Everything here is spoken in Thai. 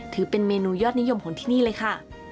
ถือเป็นเมนูยอดนิยมของที่นี่เลยค่ะ